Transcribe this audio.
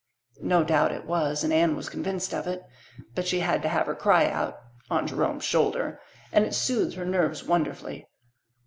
No doubt it was, and Anne was convinced of it. But she had to have her cry out on Jerome's shoulder and it soothed her nerves wonderfully.